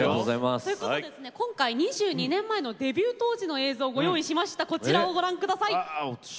今回、２２年前のデビュー当時の映像をご用意しました。